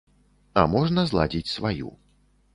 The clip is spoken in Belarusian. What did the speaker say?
А можна зладзіць сваю.